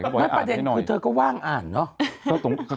ไม่ประเด็นคือเธอก็ว่างอ่านเนอะ